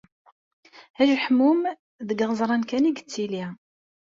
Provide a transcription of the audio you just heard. Ajeḥmum deg iɣeẓran kan i yettili.